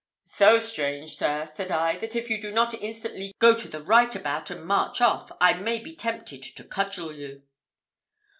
"So strange, sir," said I, "that if you do not instantly go to the right about, and march off, I may be tempted to cudgel you."